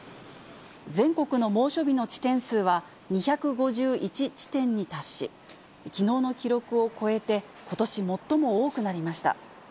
全国の猛暑日の地点数は２５１地点に達し、きのうの記録を超えて、ことし最も多くなりました。